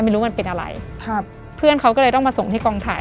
มันเป็นอะไรครับเพื่อนเขาก็เลยต้องมาส่งที่กองถ่าย